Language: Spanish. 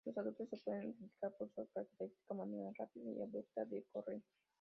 Los adultos se pueden identificar por su característica manera rápida y abrupta de correr.